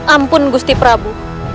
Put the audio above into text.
ampun gusti prabu